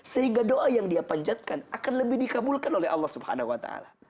sehingga doa yang dia panjatkan akan lebih dikabulkan oleh allah swt